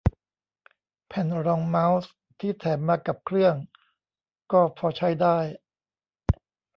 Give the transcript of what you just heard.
แผ่นรองเมาส์ที่แถมมากับเครื่องก็พอใช้ได้